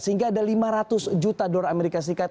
sehingga ada lima ratus juta dolar amerika serikat